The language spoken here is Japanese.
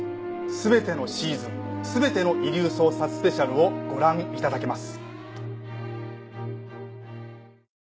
全てのシーズン全ての『遺留捜査』スペシャルをご覧頂けます。